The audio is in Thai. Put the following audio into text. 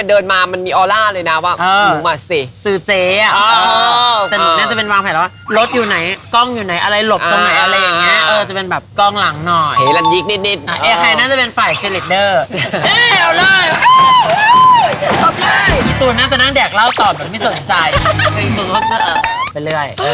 เอาเป็นว่านะคะวันนี้ขอบคุณน้องนัดด้วย